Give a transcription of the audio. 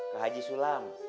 kek haji sulam